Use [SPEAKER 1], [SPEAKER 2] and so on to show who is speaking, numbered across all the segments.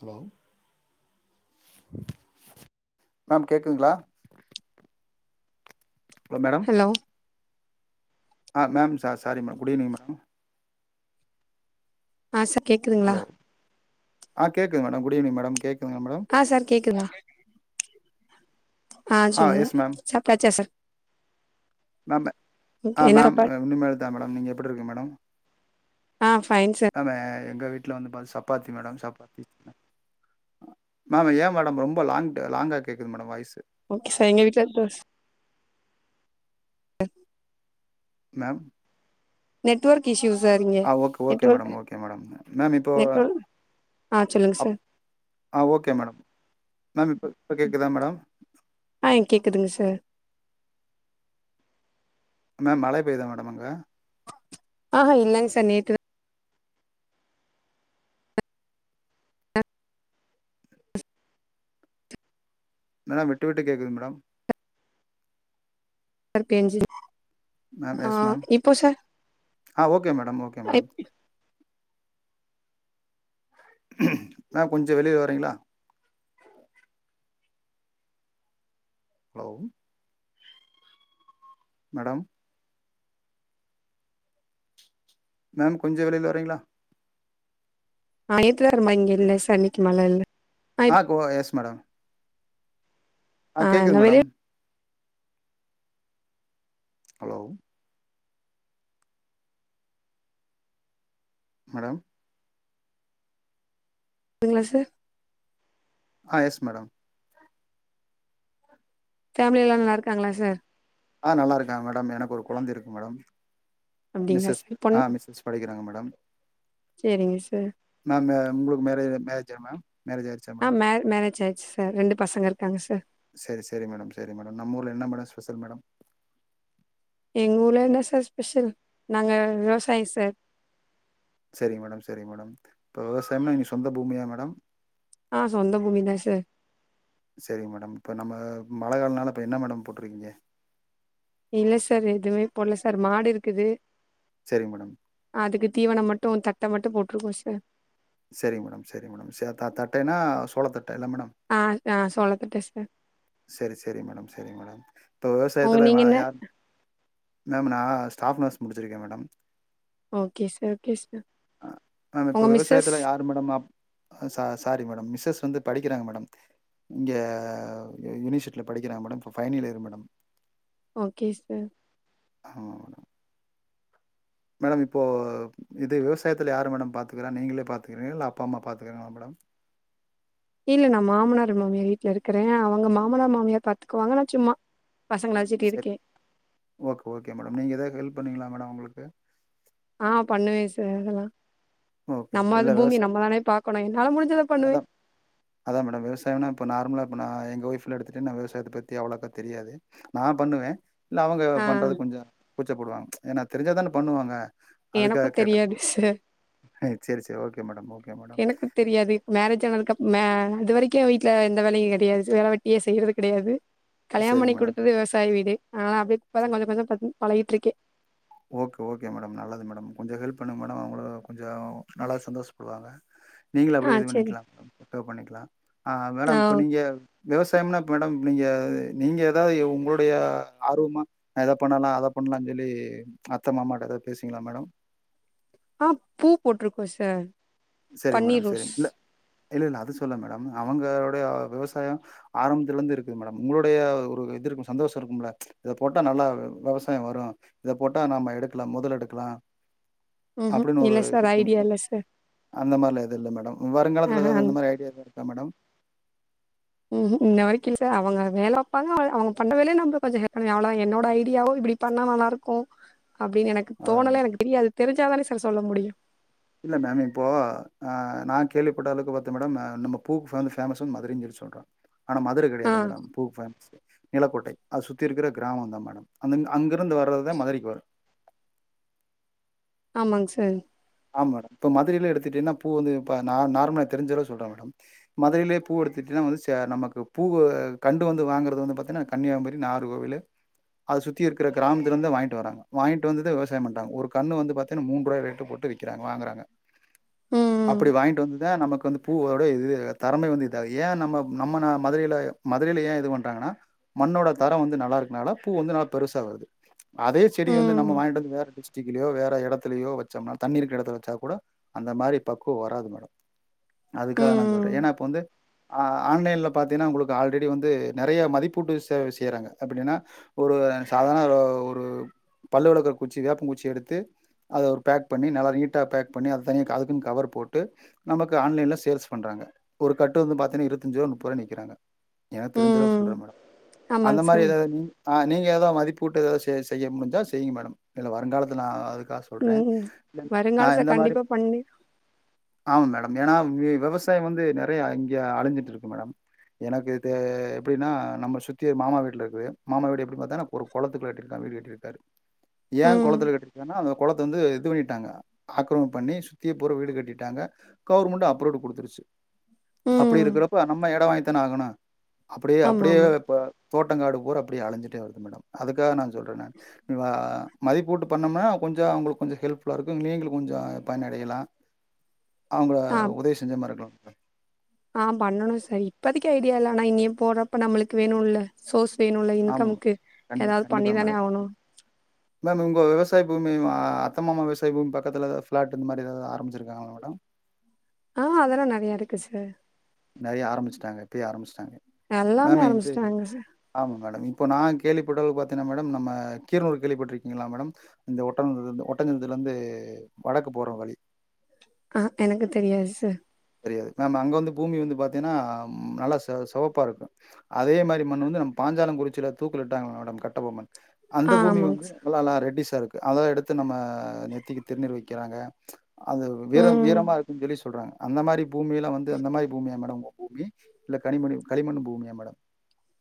[SPEAKER 1] Hello ma'am கேக்குங்களா hello madam ஆ ma'am சா sorry ma'am good evening madam
[SPEAKER 2] ஆ சார் கேக்குதுங்களா
[SPEAKER 1] ஹலோ ஆ கேக்குது மேடம் குட் ஈவினிங் மேடம் கேக்
[SPEAKER 2] ஆ சார் கேக்குதா ஆ சொல்லுங்க சாப்டாச்சா சார்
[SPEAKER 1] மேம்மு
[SPEAKER 2] ஓகே
[SPEAKER 1] ஆ
[SPEAKER 2] என்ன
[SPEAKER 1] மேம்
[SPEAKER 2] சாப்பாடு
[SPEAKER 1] ஆ உனிமேல்தா மேடம் நீங்க எப்டி இருக்கீங்க மேடம்
[SPEAKER 2] ஆ ஃபைன் சார்
[SPEAKER 1] ஆமே எங்க வீட்ல வந்து பா சப்பாத்தி மேடம் சப்பாத்தி ஆ மேம் ஏ மேடம் ரொம்ப லாங்டு லாங்கா கேக்குது மேடம் வாய்சு
[SPEAKER 2] ஓகே சார் எங்க வீட்ல தோஸ்
[SPEAKER 1] மேம்
[SPEAKER 2] நெட்வொர்க் இஷ்யூ சார் இங்க
[SPEAKER 1] ஆ ஓக் okay
[SPEAKER 2] network
[SPEAKER 1] madam okay madam ma'am இப்போ
[SPEAKER 2] நெட்வொர்க் ஆ சொல்லுங்க
[SPEAKER 1] அப்
[SPEAKER 2] சார்
[SPEAKER 1] ஆ ஓகே மேடம் மேம் இப்ப இப்ப கேக்குதா மேடம்
[SPEAKER 2] ஆ கேக்குதுங்க சார்
[SPEAKER 1] மேம் மழை பெய்தா மேடம் அங்க
[SPEAKER 2] ஆஹ இல்லங்க சார் நேத்துதா
[SPEAKER 1] மேடம் விட்டு விட்டு கேக்குது மேடம்
[SPEAKER 2] அர் பேஞ்சுது
[SPEAKER 1] மேம்
[SPEAKER 2] ஆ
[SPEAKER 1] எஸ் மேம்
[SPEAKER 2] இப்போ சார்
[SPEAKER 1] ஆ ஓகே மேடம் ஓகே மேடம்
[SPEAKER 2] அப்
[SPEAKER 1] ஆ கொஞ்ச வெளிய வரீங்களா ஹலோவ் மேடம் மேம் கொஞ்ச வெளில வரீங்களா
[SPEAKER 2] ஆ ஏத்துல இரும இங்க இல்ல சன்னிக்கு மழ இல்ல
[SPEAKER 1] ஆ கோ எஸ் மேடம்
[SPEAKER 2] ஆ
[SPEAKER 1] ஆஹ் கேக்குது
[SPEAKER 2] நா வெளிய
[SPEAKER 1] மேடம் ஹலோ மேடம்
[SPEAKER 2] ங்களா சார்
[SPEAKER 1] ஆஹ் எஸ் மேடம்
[SPEAKER 2] ஃபேமிலி எல்லா நல்லா இருக்காங்களா சார்
[SPEAKER 1] ஆஹ் நல்லா இருக்காங்க மேடம் எனக்கு ஒரு கொழந்தை இருக்கு மேடம்
[SPEAKER 2] அப்டிங்களா
[SPEAKER 1] மிஸ்ஸஸ்
[SPEAKER 2] சார் பொண்ணு
[SPEAKER 1] ஆ மிஸ்ஸஸ் படிக்கிறாங்க மேடம்
[SPEAKER 2] சேரிங்க சார்
[SPEAKER 1] நா மே உங்களுக்கு மேரே மேரே
[SPEAKER 2] ஆஹ் மே மேரேஜ் ஆயிச்சு சார் ரெண்டு பசங்க இருக்காங்க சார்
[SPEAKER 1] சரி சரி மேடம் சரி மேடம் நம்மூர்ல என்ன மேடோ ஸ்பெசல் மேடம்
[SPEAKER 2] எங்க ஊர்ல என்ன சார் ஸ்பெஷல் நாங்க விவசாயோ சார்
[SPEAKER 1] சரி மேடம் சரி மேடம் இப்ப விவசாயம்னா சொந்த பூமியா மேடம்
[SPEAKER 2] ஆஹ் சொந்த பூமிதா சார்
[SPEAKER 1] சரிங்க மேடம் இப்ப நம்ம மழை காலனால இப்ப என்ன மேடம் போட்ருக்கீங்க
[SPEAKER 2] இல்ல சார் எதுமே போட்ல சார் மாடு இருக்குது
[SPEAKER 1] சரிங் மேடம்
[SPEAKER 2] தீவனோ மட்டு தட்ட மட்டு போட்ருக்கோ சார்
[SPEAKER 1] சரிங் மேடம் சரிங் மேடம் ச தத தட்டைன்னா சோள தட்
[SPEAKER 2] ஆ ஆ சோளத்தட்ட சார்
[SPEAKER 1] சரி சரி மேடம் சரி மேடம் இப்ப
[SPEAKER 2] உங்க
[SPEAKER 1] விவசாயத்துல
[SPEAKER 2] நீங்க
[SPEAKER 1] வா
[SPEAKER 2] என்ன
[SPEAKER 1] யா மேடம் நா ஸ்டாஃப் நர்ஸ் முடிச்சிருக்கே madam
[SPEAKER 2] okay sir okay sir
[SPEAKER 1] ஆ
[SPEAKER 2] உங்க
[SPEAKER 1] இப்போ
[SPEAKER 2] மிஸ்ஸஸ்
[SPEAKER 1] விவசாயத்துல யாரு மேடம் அப் ஆ சா சாரி மேடம் மிஸ்ஸஸ் வந்து படிக்கிறாங்க மேடம் இங்க யூனிசிட்ல படிக்கிறாங்க மேடம் இப்ப final year madam
[SPEAKER 2] okay sir
[SPEAKER 1] ஆமா மேடம் மேடம் இப்போ இது விவசாயத்துல யாரு மேடம் பாத்துக்கறா நீங்களே பாத்துக்கிறீங்ளா இல்ல அப்பா அம்மா பாத்துக்கறாங்களா மேடம்
[SPEAKER 2] இல்ல நா மாமனார் மாமியார் வீட்டுல இருக்கற அவுங்க மாமனார் மாமியார் பாத்துக்குவாங்க நா சும்மா பசங்கள வச்சுட்டு
[SPEAKER 1] சரி
[SPEAKER 2] இருக்கே
[SPEAKER 1] ஓகே ஓகே மேடம் நீங்க எதாவது ஹெல்ப் பண்ணுவிங்களா மேடம் அவுங்களுக்கு
[SPEAKER 2] ஆஹ் பண்ணுவே சார் அதெல்லா
[SPEAKER 1] ஓகே ஓகே
[SPEAKER 2] நம்மது
[SPEAKER 1] இல்ல
[SPEAKER 2] பூமி
[SPEAKER 1] விவசாய
[SPEAKER 2] நம்ம தானே பாக்கணு என்னால முடிஞ்சத பண்ணுவே
[SPEAKER 1] அதா அதா மேடம் விவசாயம்னா இப்ப நார்மலா இப்ப நா எங்க ஒய்ஃப் இல்ல எடுத்துட்டு நா விவசாயத்த பத்தி அவ்ளோக்கா தெரியாது நா பண்ணுவே இல்ல அவுங்க
[SPEAKER 2] ஆ
[SPEAKER 1] பண்றது கொஞ்சோ கூச்சப்படுவாங்க ஏன்னா தெரிஞ்சா தான பண்ணுவாங்க
[SPEAKER 2] எனக்கு
[SPEAKER 1] அதுக்காக கேட்டேன்
[SPEAKER 2] தெரியாது சார்
[SPEAKER 1] சரி சரி ஓகே மேடம் ஓகே மேடம்
[SPEAKER 2] எனக்கு தெரியாது மேரேஜ் ஆனதுக்கு அப் மே இது வரைக்கு வீட்ல எந்த வேலையு கெடயாது வேல வெட்டியே செய்யறது கிடையாது கல்யாண
[SPEAKER 1] சரிங்க
[SPEAKER 2] பண்ணி
[SPEAKER 1] மேடம்
[SPEAKER 2] குடுத்தது விவசாய வீடு அதனால அப்டே இப்பா தா
[SPEAKER 1] சரி
[SPEAKER 2] கொஞ்சோ கொஞ்சோ பழகிட்டு இருக்கே
[SPEAKER 1] ஓகே ஓகே மேடம் நல்லது மேடம் கொஞ்சோ ஹெல்ப் பண்ணுங்க மேடம் அவுங்களு கொஞ்சோ நல்லாவே சந்தோஷப்படுவாங்க நீங்களு
[SPEAKER 2] ஆ
[SPEAKER 1] அப்டியே இது
[SPEAKER 2] செரி
[SPEAKER 1] பண்ணிக்கலா பண்ணிக்கலா
[SPEAKER 2] ஆ
[SPEAKER 1] மேடம் இப்போ நீங்க விவசாயம்னா இப்ப மேடம் நீங்க நீங்க ஏதாவது உங்களுடைய ஆர்வமா எத பண்ணலா அத பண்லான் சொல்லி அத்த மாமாட்டா எதாவ்து பேசுவிங்ளா மேடம்
[SPEAKER 2] ஆ பூ போட்ருக்கோ சார்
[SPEAKER 1] சேரிங்க
[SPEAKER 2] பன்னீர்
[SPEAKER 1] மேடம்
[SPEAKER 2] ரோஸ்
[SPEAKER 1] சேரிங்க மேடம் இல்ல இல்ல இல்ல அது சொல்ல மேடம் அவங்களுடைய விவசாயம் ஆரம்பத்ல இருந்து இருக்குது மேடம் உங்களுடைய ஒரு இது ருக்கூ சந்தோஷ இருக்கும்ல இத போட்டா நல்லா விவசாயம் வரும் இத போட்டா நாம எடுக்லாம் முதல் எடுக்லா
[SPEAKER 2] ம்ஹூம்
[SPEAKER 1] அப்டின்னு
[SPEAKER 2] இல்ல
[SPEAKER 1] ஒரு இது
[SPEAKER 2] சார் ஐடியா
[SPEAKER 1] இருக்கும்ல்ல
[SPEAKER 2] இல்ல சார்
[SPEAKER 1] அந்த மார்லா எது இல்ல மேடம் வருங்காலத்துல
[SPEAKER 2] ஆஹ
[SPEAKER 1] எதாவ்து அந்த மாரி ஐடியாகள் இருக்கா மேடம்
[SPEAKER 2] ம் ஹும் ம் இன்ன வரைக்கு இல்ல சார் அவங்க வேல ப்பாங்க அவ அவுங்க பண்ற வேலய நம்ப கொஞ்சம் ஹெல்ப் பண்ணுவே அவ்ளோதா என்னோட ஐடியாவோ அப்டி பண்ணா நல்லா இருக்கூ அப்டின்னு எனக்கு
[SPEAKER 1] அதான்
[SPEAKER 2] தோணல
[SPEAKER 1] மேடம்
[SPEAKER 2] எனக்கு தெரியாது தெரிஞ்சாதானே சார் சொல்லமுடியு
[SPEAKER 1] இல்ல மேம் இப்போ நா நா கேள்விப்பட்ட அளவுக்கு பத்தேன் மேடம் நம்ம பூக்கு வந்து ஃபேமஸ் வந்து மதுரைன் சொல்லி சொல்றா ஆனா மதுரை
[SPEAKER 2] ஆ
[SPEAKER 1] கெடையாது மேடம் பூக்கு ஃபேமஸ் நிலக்கோட்டை அத சுத்தி இருக்கிற கிராமம் தான் மேடம் அந்த அங்க ருந்து வர்றதுதான் மதுரைக்கு வரு
[SPEAKER 2] ஆமாங் சார்
[SPEAKER 1] ஆமா மேடம் இப்ப மதுரையில எடுத்துட்டேன்னா பூ வந்து இ ப நார் நார்மலா தெரிஞ்ஜளவு சொல்ற மேடம் மதுரையிலயே பூ எடுத்து தீன்னா வந்து ச நமக்கு பூவு கண்டு வந்து வாங்குறது வந்து பார்தீன்னா கன்னியாகுமரி நாகர்கோவிலு அது சுத்தி இருக்குற கிராமத்தில்ந்து வாய்ன்ட்டு வராங்க வாய்ன்ட்டு வந்துட்டு விவசாயம் பண்றாங்க ஒரு கண்ணு வந்து பாத்தேன்னா மூண் ரூவா ரேட் போட்டு விக் விக்கிறாங்க வாங்குறாங்க
[SPEAKER 2] ம்
[SPEAKER 1] அப்டி
[SPEAKER 2] ம்
[SPEAKER 1] வாய்ன்ட்டு வந்துதா நமக்கு வந்து பூவோட இது தரமே வந்து இதுஆகு ஏன் நம்ம நம்ம நா மதுரையில மதுர செடிலையே ஏ இது பண்றாங்கன்னா மண்ணோட தரம் வந்து நல்லா இருக்குனால பூ வந்து நல்லா பெருசா வருது அதே செடி வந்து நம்ம
[SPEAKER 2] ம்
[SPEAKER 1] வாய்ன்ட்டு வந்து வேற டிஸ்ட்ரிக்லையோ வேற எடத்துலயோ வச்சம்னா தண்ணி இருக்குற எடத்துல வச்சா கூட அந்த மாரி பக்குவம் வராது மேடம்
[SPEAKER 2] ம்
[SPEAKER 1] அதுக்காக நான் சொல்றேன் ஏன்னா அப்ப வந்து ஆ ஆன்லைன்ல பாத்தீன்னா உங்களுக்கு ஆல்ரெடி வந்து நறைய மதிப்பூட்டு சேவை செய்யறாங்க அப்டின்னா ஒரு சாதாரன ஒரு பல்லு வெளக்குற குச்சி வேப்பங் குச்சிய எடுத்து த்து அத ஒரு பேக் பண்ணி நல்லா நீட்டா பேக் பண்ணி அது தனியா க அதுக்குன் கவர் போட்டு நமக்கு ஆன்லைன்ல சேல்ஸ் பண்றாங்க ஒரு கட் கட்டு வந்து பாத்தீன்னா இருபத்தி அஞ்சு ரூவா நுப்பது ரூவாண்ணு விக்கிறாங்க எனக்
[SPEAKER 2] ம்
[SPEAKER 1] தெரிஞ்ச அளவு
[SPEAKER 2] ம்.
[SPEAKER 1] சொல்றே மேடம் அந்த
[SPEAKER 2] ஆமாங்க
[SPEAKER 1] மாரி
[SPEAKER 2] சார்
[SPEAKER 1] ஏதாவ்து நின் ஆ நீங்க ஏதும் மதிப்பூட்டு ஏதாவ்து செய் செய்ய முடிஞ்சா செய்ங்க மேடம் இல்ல வருங்காலத்தில நா அதுக்காக சொல்ற
[SPEAKER 2] ம்
[SPEAKER 1] ஆ
[SPEAKER 2] வருங்காலத்துல
[SPEAKER 1] இந்த மாரி
[SPEAKER 2] கண்டிப்பா பண்ணி
[SPEAKER 1] ஆமா மேடம் ஏனா ஆ விவ வெவசாயம் வந்து நெறைய இங்க அழிஞ்சிட்டு இருக்கு மேடம் எனக்கு இது எப்டின்னா நம்மள சுத்தி மாமா வீட்ல இருக்குது மாமா வீடு எப்டி பாத்தாலு ஒரு கொளத்துக்குள்ள கட்டிருக்காங்க வீடு கட்டிருக்காரு ஏன்
[SPEAKER 2] ம்
[SPEAKER 1] கொளத்துல கட்டிருக்காருன்னா அந்த கொளத்து வந்து இது பண்ணி ஆக்கிரமிப் பண்ணி சுத்திய போற வீடு கட்டிட்டாங்க கவர்மெண்ட் அப்ரோடு கொடுத்துருச்சி அப்டி
[SPEAKER 2] ம்
[SPEAKER 1] இருக்கிறப்ப நம்ம எடொ வாங்கி தானே ஆகணு அப்டி
[SPEAKER 2] ஆமா
[SPEAKER 1] அப்டியே
[SPEAKER 2] ஆமா
[SPEAKER 1] இப்ப தோட்ட தோட்டங்காடு பூரா அப்டியே அழிஞ்சிட்டே வருது மேடம் அதுக்காக நான் சொல்றே நானு வா மதிப்பூட்டு பண்ணம்னா கொஞ்ச அவுங்களுக்கு கொஞ்ச ஹெல்ப்ஃபுல்லா இருக்கூ நீங்ளு கொஞ்ச பயனடையலா அவங்கள
[SPEAKER 2] ஆம்
[SPEAKER 1] உதவி செஞ்ச மாரி இருக்கலா மேடம்
[SPEAKER 2] ஆம் பண்ணணு சார் இப்பதக்கி ஐ டியாலா நா இனியே போறப்ப நம்மளுக்கு வேணுல்ல சோஸ்
[SPEAKER 1] ஆமா மேம் கண்டி கண்டிப்பா மேடம்
[SPEAKER 2] ஆகணு
[SPEAKER 1] மேம் உங்க விவசாய பூமி வா அத்த மாமா விசாய பூமி பக்கத்துல எதா ஃபிளாட் இந்த மாதிரிதாவ்து ஆரம்பிச்சிருக்காங்களா மேடம்
[SPEAKER 2] ஆ அதெல்லா நறையா இருக்கு சார்
[SPEAKER 1] நறையா ஆரம்பிச்சுட்டாங்க இப்பயே ஆரம்பிச்சிட்டாங்க
[SPEAKER 2] எல்லாமே
[SPEAKER 1] மேம் இது
[SPEAKER 2] ஆரம்பிச்சுட்டாங்க சார்
[SPEAKER 1] ஆமா மேடம் இப்போ நா கேள்விப்பட்டளவு பாத்தீன்னா மேடம் நம்ம கீரனூர் கேள்விப்பட்ருக்கீங்களா மேடம் இந்த ஓட்டம் இந்த ஒட்டஞ்சத்தரத்துல வந்து வடக்கு போறோ வழி
[SPEAKER 2] ஆ எனக்கு தெரியாது சார்
[SPEAKER 1] து மேம் அங்க வந்து பூமி வந்து பாத்தீங்கன்னா நல்லா ச சவப்பா இருக்கும் அதே மாதிரி மண்ணு வந்து நம்ம பாஞ்சா சாலங்குறிச்சில தூக்கிலிட்டாங்கல்ல மேடம் கட்டபொம்மன் அந்த
[SPEAKER 2] ஆ
[SPEAKER 1] பூமி
[SPEAKER 2] ஆமாங்க
[SPEAKER 1] வந்து
[SPEAKER 2] சார்
[SPEAKER 1] நல்லாலா ரெட்டிஸ்ஸா இருக்கூ அத எடுத்து நம்ம நெத்திக்கு திருநீர் வைக்கிறாங்க அது வீரம்
[SPEAKER 2] ம்
[SPEAKER 1] வீரமா இருக்குன் ஜொல்லி சொல்ற அந்த மாரி பூமியிலா வந்து அந்த மாரி பூமியா மேடோ பூமி இல்ல கனிமணி களிமண் பூமியா மேடம்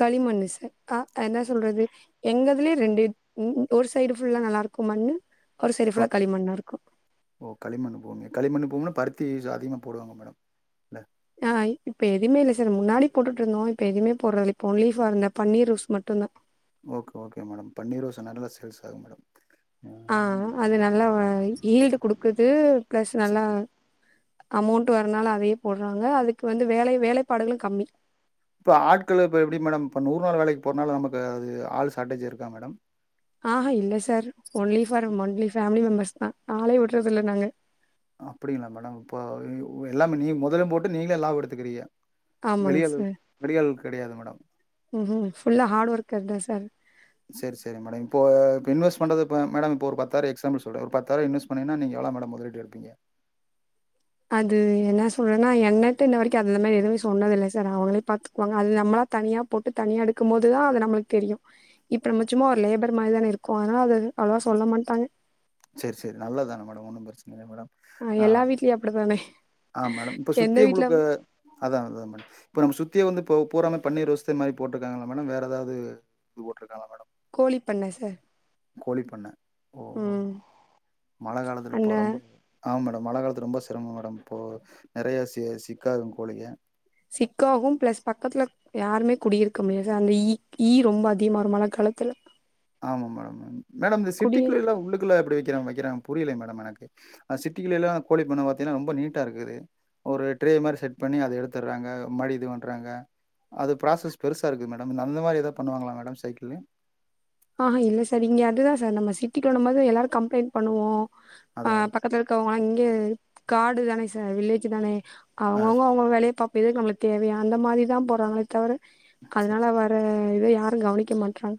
[SPEAKER 2] களிமண்ணு சார் அ ஆ என்ன சொல்றது எங்கதுலயு ரெண்டு ஒரு சைடு ஃபுல்லா நல்லா இருக்கு மண்ணு ஒரு சைடு ஃபுல்லா
[SPEAKER 1] ஓகே.
[SPEAKER 2] களிமண்ணா இருக்கு
[SPEAKER 1] களிமண்ணு போனும்னா பருத்தி அதிகமாக போடுவாங்க மேடம் இல்ல
[SPEAKER 2] ஆ இப்ப எதுமே இல்ல சார் முன்னாடி போட்டுட்டு இருந்தோ இப்ப எதுமே போடறதில்ல இப்ப ஒன்லீ ஃபார் இந்த பன்னீர் ருஸ் மட்டுந்தா
[SPEAKER 1] ஓகே ஓகே மேடம் பன்னீர் ரோஸ் நல்லா சேல்ஸ் ஆகும் மேடம்
[SPEAKER 2] ஆ அது நல்லா ஈல்டு குடுக்குது பிளஸ்
[SPEAKER 1] சரி.
[SPEAKER 2] நல்லா அமௌண்ட் வரனால அதையே போடுறாங்க அதுக்கு வந்து வேலை வேலைப்பாடுகளு கம்மி
[SPEAKER 1] இப்ப ஆட்கள் இப்ப எப்டி மேடம் இப்ப நூறு நாள் வேலைக்கு போறனால நமக்கு அது ஆள் ஷார்டேஜா இருக்கா மேடம்
[SPEAKER 2] ஆஹா இல்ல sir only for only family மெம்பர்ஸ்தா ஆளே விடுறது இல்ல நாங்க
[SPEAKER 1] அப்டிங்ளா மேடம் இப்போ எல்லாமே நீ மொதலும் போட்டு நீங்களே லாபம் எடுத்துக்ககிறீங்க
[SPEAKER 2] ஆமாங் சார்
[SPEAKER 1] கெடையாது மேடம்.
[SPEAKER 2] ம்ஹும் ஃபுல்லா ஹார்டு ஒர்கர்தா சார்
[SPEAKER 1] செரி செரி மேடம் இப்போ இப்ப இன்வெஸ்ட் பண்றது இப்ப மேடம் இப்ப ஒரு பத்தாயிரோ எக்ஸாம்பிள் சொல்ற ஒரு பத்தாயிரோ இன்வெஸ்ட் பண்ணீங்கனா நீங்க எவ்ளோ மேடம் முதலீட்டு எடுப்பீங்க
[SPEAKER 2] அது என்ன சொல்றனா என்னட்டு இந்த வரைக்கு அது மாரி எதுமே சொன்னதில்ல சார் அவுங்களே பாத்துக்குவாங்க அது நம்மளா தனியா போட்டு தனியா எடுக்கும் போதுதா அது நம்மளுக்கு தெரியு இப்ப நாம ஒரு லேபர் மாரிதான இருக்கோ அதுனால அது அவ்ளவா சொல்ல மாட்டாங்க
[SPEAKER 1] சேரி சேரி நல்லதானே மேடம் ஒன்னும் பிரச்சனை இல்லை மேடம்
[SPEAKER 2] ஆ எல்லா வீட்லயு அப்டிதானே
[SPEAKER 1] ஆ மேடம் இப்ப சுத்தி முழுக்க அதா அதா மேடம் இப்ப நம்ம சு த்த வந்து பூராமே பன்னீர் ரோஸே மாரி போட்டிருக்காங்ளா மேடம் வேற எதாவது இது போட்டிருக்காங்ளா மேடம்
[SPEAKER 2] கோழி பண்ண சார்
[SPEAKER 1] கோழி பண்ண ஓ
[SPEAKER 2] ம்
[SPEAKER 1] மழை காலத்துல
[SPEAKER 2] அந்த
[SPEAKER 1] இப்ப ரொம்ப ஆமாம் மேடம் மழை காலத்துல ரொம்ப சிரமம் மேடம் இப்போ நெறயா சி சிக்காகுங்க கோழிக
[SPEAKER 2] சிக்காகும் பிளஸ் பக்கத்துல யாருமே குடியிருக்க முடியாது அந்த ஈ ஈ ரொம்ப அதிகமாரமானா க
[SPEAKER 1] ஆமா மேடம் ஆமா மேடம் இந்த
[SPEAKER 2] குடி
[SPEAKER 1] சிட்டிக்குள்ள எல்லா உள்ளுக்குள்ள எப்டி வெக்கிற வெக்கிற புரியலயே மேடம் எனக்கு அந் சிட்டில எல்லா கோழி பண்ண பாத்தீனா ரொம்ப நீட்டா இருக்குது ஒரு ட்ரே மாரி செட் பண்ணி அத எடுத்துடறாங்க மறுடி இது பண்றாங்க அது ப்ராசஸ் பெருசா இருக்கு மேடம் அந்த மாரி எதா பண்ணுவாங்ளா மேடம் சைக்கிள்
[SPEAKER 2] ஆஹா இல்ல சார் இங்க அதுதா சார் நம்ம சிட்டிக்குள்ளம்போது எல்லாரு கம்ப்ளைண்ட் பண்ணுவோ ஆ
[SPEAKER 1] அதா
[SPEAKER 2] பக்கத்துல இருக்கவங்களா இங்கே காடு தானே சார் வில்லேஜ் தானே
[SPEAKER 1] ஆ
[SPEAKER 2] அவுங்கவுங்க அவுங்க வேலைய பாப்போ இது எதுக்கு நம்மளுக்கு தேவையா அந்த மாரிதா போறாங்களே தவிர
[SPEAKER 1] சரி
[SPEAKER 2] அதனால வற இத யாரு கவனிக்க மாட்றாங்க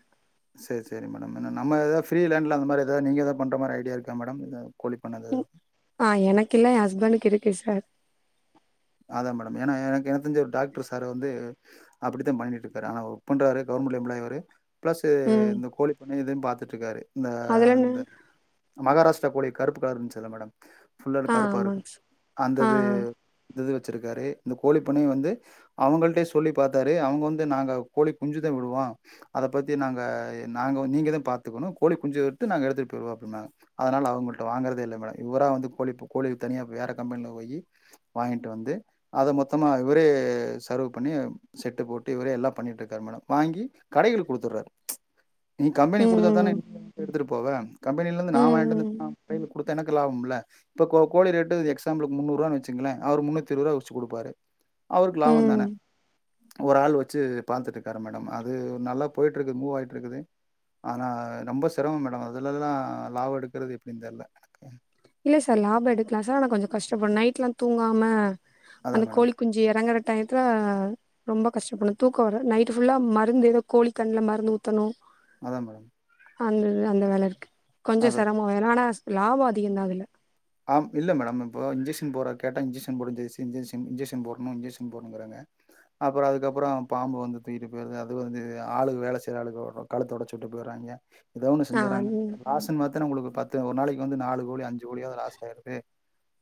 [SPEAKER 1] செரி செரி மேடம் ஏனா நம்ம எதாவது ப்ரீ லேண்டில அந்த மாரி எதாவது நீங்க ஏதா பண்ணற மாரி ஐடியா இருக்கா மேடம் கோழி பண்ண எதாவது
[SPEAKER 2] ம் ஆ எனக்கில்ல என் ஹஸ்பண்டுக்கு இருக்கு சார்
[SPEAKER 1] அதாமேடம் ஏனா எனக்கு எனக்கு தெரிஞ்ச ஒரு டாக்டர் சார் வந்து அப்டித்தான் பண்ணிட்டு இருக்காரு ஆனா வொர்க் பண்றாரு கவர்மெண்ட் எம்ப்ளாயி அவரு பிளஸ்
[SPEAKER 2] ம்
[SPEAKER 1] இந்த கோழி பண்ண இது பாத்து ட்டு இருக்காரு
[SPEAKER 2] அதுலன்னு
[SPEAKER 1] இந்த மகாராஷ்டிரா கோழி கருப்பு கலர் இருந்ச்சல்ல மேடம் ஃபுல்லா
[SPEAKER 2] ஆ
[SPEAKER 1] கருப்பா இருக்கு
[SPEAKER 2] ஆமாங்க சார்
[SPEAKER 1] அந்த
[SPEAKER 2] ஆ
[SPEAKER 1] இது இது வெச்சிருக்காரு இந்த கோழி பண்ணைய வந்து அவுங்கள்ட்டயே சொல்லி பாத்தாரு அவுங்க வந்து நாங்க கோழி குஞ்சுதா விடுவோ அத பத்தி நாங்க நீங்கதா பாத்துக்கணு கோழி குஞ்சு விட்டு நாங்க எடுத்துட்டு போய்டுவோ அப்டினாங்க அதனால அவுங்கள்ட்ட வாங்கறதே இல்ல மேடம் இவரா வந்து கோழி கோழிக்கு தனியா வேற கம்பெனில போய் வாங்கிட்டு வந்து அத மொத்தமா இவரே சர்வ் பண்ணி செட்டு போட்டு இவரே எல்லா பண்ணிகிட்டு இருக்காரு மேடம் வாங்கி கடைகளுக்கு குடுத்துடுறாரு நீ கம்பெனி குடுக்கதானே
[SPEAKER 2] ம்
[SPEAKER 1] எடுத்துட்டு போவ கம்பெனிலந்து
[SPEAKER 2] ம்
[SPEAKER 1] நா வாங்கிட்டு
[SPEAKER 2] ம் ம்
[SPEAKER 1] வந் [inaudible] குடுத்தா எனக்கு லாபம் இல்ல இப்போ கோ கோழி ரேட்டு எக்ஸாம்பிளுக்கு முன்னூறு ரூவானு வெச்சு ங்களே அவர் முன்னூத்தி இருவது ரூபா வெச்சு குடுப்பாரு அவருக்கு லாபந்தானே
[SPEAKER 2] ம்
[SPEAKER 1] ஒரு ஆள் வெச்சு பாத்துட்டு இருக்காரு மேடம் அது நல்லா போயிட்டுருக்கு மூவ் ஆயிட்டு இருக்குது ஆனா ரொம்ப செரம மேடம் அதுலலா லாப எடுக்குறது எப்டின் தெர்ல ம்
[SPEAKER 2] இல்ல சார் லாப எடுக்லா சார் ஆனா கொஞ்ச கஷ்டப்பட் நைட்லா தூங்காம அந்த
[SPEAKER 1] அதான் மேடம்.
[SPEAKER 2] கோழி குஞ்சு எறங்கறக் டயத்துல ரொம்ப கஷ்டப்பட்னு தூக்க வர நைட்டு ஃபுல்லா மருந்து எதோ கோழி கண்ல மருந்து ஊத்தணு
[SPEAKER 1] அதா மேடம்
[SPEAKER 2] அந்தது அந்த வேல இருக்கு கொஞ்ச
[SPEAKER 1] அதான்
[SPEAKER 2] செரம வேல ஆனா லாப அதிகந்தா இதுல்ல
[SPEAKER 1] ஆம் இல்ல மேடம் இப்போ இன்ஜெக்ஷன் போட்றக் கேட்டா இன்ஜெக்ஷன் போடு இன்ஜெஸ் இன்ஜெஸ் இன்ஜெஷன் போட்ணு இன்ஜெஷன் போட்ணுங்கிறாங்க அப்பற அதுக்கப்ற பாம்பு வந்து தூக்கிட்டு போயிருது அது வந்து ஆளுக்கு வேல செய்ற ஆளுக்கு கழுத்தோடச்சுட்டு போய்ட்றாங்கெ எதோ ஒன்னு
[SPEAKER 2] ஆ
[SPEAKER 1] செஞ்சுர்றாங்க காசுனு பாத்தனா உங்களுக்கு பத்து ஒரு நாளைக்கு வந்து நாலு கோழி அஞ்சு கோழியாவ்து ராசு கரக்ட்டு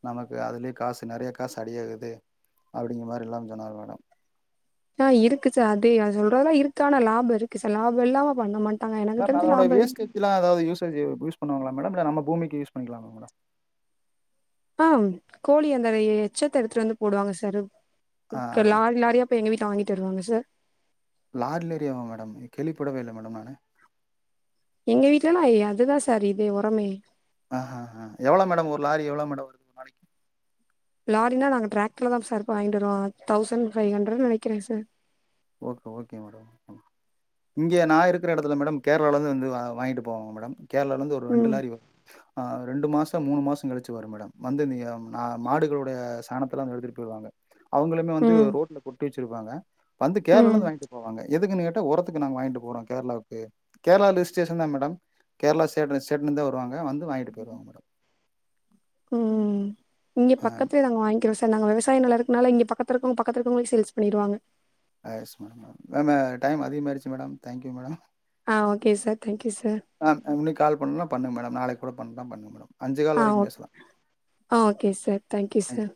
[SPEAKER 1] நமக்கு அதுலே காசு நெறைய காசு அடியாகுது அப்டிங்க மாரில்லாம் சொன்னாரு மேடம்
[SPEAKER 2] ஆ இருக்கு சார் அதே அது சொல்றதெல்லா இருக்கானா லாப இருக்கு சார் லாப இல்லாம பண்ண மாட்
[SPEAKER 1] மேம் அதனோட வேஸ்டஜ்லா அதாவ்து யூசேஜு யூஸ் பண்ணுவாங்களா மேடம் இல்ல நம்ம பூமிக்கு யூஸ் பண்ணிக்லாம்ல மேடம்
[SPEAKER 2] ஆ கோழி அந்தட எ எச்சத்த எடுத்துட்டு வந்து போடுவாங்க சாரு க்கர் லாரி லாரியா போயி எங்க வீட்ல வாங்கிட்டு வருவாங்க சார்
[SPEAKER 1] லார்டல் ஏரியாவா மேடம் இது கேள்விப்படவே இல்ல மேடம் நானு
[SPEAKER 2] எங்க வீட்லலா ஏ அதுதா சார் இதே ஒரமே
[SPEAKER 1] ஆ ஹ ஹ எவ்வளோ மேடம் ஒரு லாரி எவ்வளோ மேடம் வருது ஒரு நாளைக்கு
[SPEAKER 2] லாரினா நாங்க டிராக்ட்ருல தா சார் போய் வாய்ன்டுவருவோ தௌசண்ட் ஃபை ஹண்ரட்னு நெனைக்கிறே சார்
[SPEAKER 1] ஓகே ஓகே மேடம் ம் இங்கெ நா இருக்கிற எடத்துல மேடம் கேர்ளால இருந்து வந்து வா வாங்கிட்டு போவாங்க மேடம் கேர்ளால இருந்து ஒரு ரெண்டு
[SPEAKER 2] ம்
[SPEAKER 1] லாரி வரு ஆ ரெண்டு மாச மூணு மாச கழிச்சி வரு மேடம் வந்து இந்தய ஆ மாடுகளுடைய சாணத்தலா வந்து எடுத்துட்டு போயிடுவாங்க அவ்ங்களுமே வந்து
[SPEAKER 2] ம்
[SPEAKER 1] ரோட்ல கொட்டி வச்சுருப்பாங்க வந்து
[SPEAKER 2] ம்
[SPEAKER 1] கேர்ளாலருந்து வாங்கிட்டு போவாங்க எதுக்குன்னு கேட்டா ஒரத்துக்கு நாங்க வாங்கிட்டு போறோ கேர்ளாவுக்கு கேர்ளா லிஸ்டேஷன் தா மேடம் கேர்ளா சைட் இந்த சேட்லருந்தா வருவாங்க வந்து வாங்கிட்டு போயிருவாங்க மேடம்
[SPEAKER 2] ம் ம் இங்க பக்கத்துல நாங்க வாய்ங்றோ சார் நாங்க விவசாய நெல இருக்கனால இங்க பக்கத்து இருக்கவ்ங்க பக்கத்து இருக்கவ்ங்களுக்கே சேல்ஸ் பண்ணிருவாங்க
[SPEAKER 1] எஸ் மேடம் மேம் மே டைம் அதிகமாயிருச்சு மேடம் தேங்க் யூ மேடம்
[SPEAKER 2] ஆ ஓகே சார் தேங்க்யூ சார்
[SPEAKER 1] ஆ அ இன்னனைக்கு கால் பண்ணுனா பண்ணுங்க மேடம் நாளைக்கு கூட பண்றனா பண்ணுங்க மேட
[SPEAKER 2] ஆ ஓக் ஆ ஓகே சார் தேங்க்யூ சார்